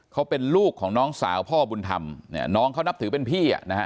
เขาเป็นลูกของน้องสาวพ่อบุญธรรมเนี่ยน้องเขานับถือเป็นพี่อ่ะนะฮะ